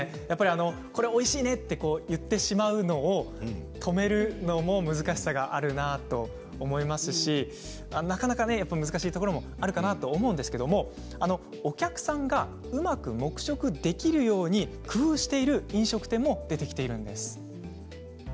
これはおいしいよねと言ってしまうのを止めるのも難しさがあるなと思いますしなかなか難しいところもあるかなと思うんですけれどもお客さんがうまく黙食できるように工夫している飲食店も出てきているんです。